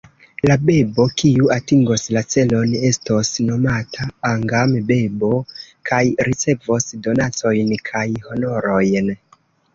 La bebo, kiu atingos la celon estos nomata "Angam-bebo" kaj ricevos donacojn kaj honorojn.